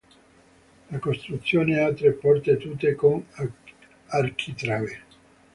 La costruzione ha tre porte, tutte con architrave.